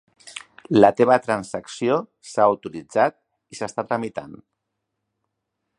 La teva transacció s'ha autoritzat i s'està tramitant.